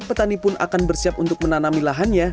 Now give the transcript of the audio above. petani pun akan bersiap untuk menanami lahannya